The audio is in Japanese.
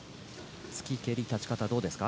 突き、蹴り立ち方どうですか？